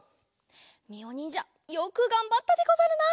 みおにんじゃよくがんばったでござるな！